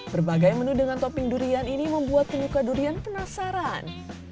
berbagai menu dengan topping durian ini membuat penyuka durian penasaran